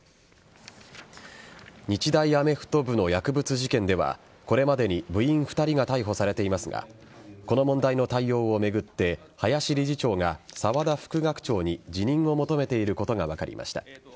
日大アメフト部の薬物事件ではこれまでに部員２人が逮捕されていますがこの問題の対応を巡って林理事長が沢田副学長に辞任を求めていることが分かりました。